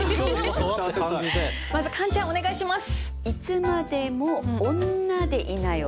まずカンちゃんお願いします。